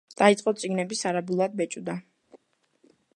დაიწყო წიგნების არაბულად ბეჭვდა.